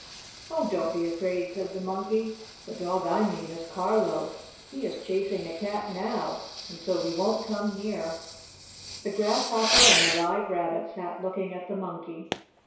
"Oh, don't be afraid," said the Monkey. "The dog I mean is Carlo. He is chasing a cat now, and so he won't come here." The Grasshopper and the Live Rabbit sat looking at the Monkey.